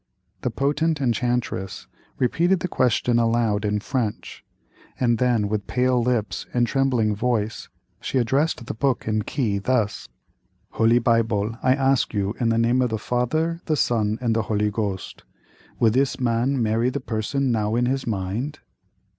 The potent enchantress repeated the question aloud in French, and then, with pale lips and trembling voice, she addressed the book and key thus: "Holy Bible, I ask you, in the name of the Father, the Son, and the Holy Ghost, will this man marry the person now in his mind?"